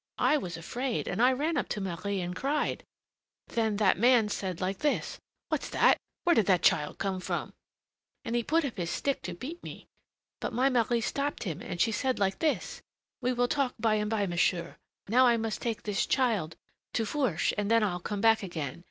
I was afraid, and I ran up to Marie and cried. Then that man said like this: 'What's that? where did that child come from? Put him out of here.' And he put up his stick to beat me. But my Marie stopped him, and she said like this: 'We will talk by and by, monsieur; now I must take this child to Fourche, and then I'll come back again.'